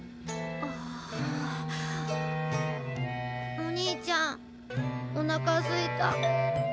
お兄ちゃんおなかすいた。